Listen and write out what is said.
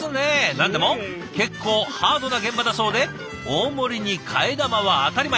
何でも結構ハードな現場だそうで大盛りに替え玉は当たり前。